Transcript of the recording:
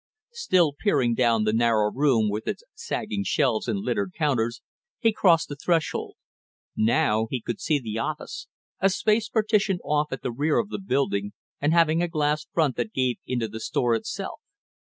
Still peering down the narrow room with its sagging shelves and littered counters, he crossed the threshold. Now he could see the office, a space partitioned off at the rear of the building and having a glass front that gave into the store itself.